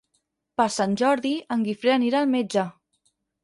Per Sant Jordi en Guifré anirà al metge.